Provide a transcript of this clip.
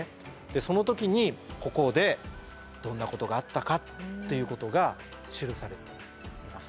その時にここでどんなことがあったかっていうことが記されています。